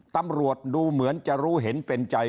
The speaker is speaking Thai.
ตำรวจดูเหมือนจะรู้เห็นเป็นใจ